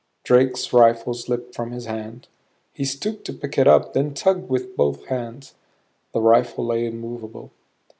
Drake's rifle slipped from his hand. He stooped to pick it up; then tugged with both hands. The rifle lay immovable.